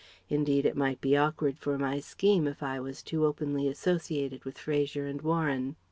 Indeed it might be awkward for my scheme if I was too openly associated with Fraser and Warren.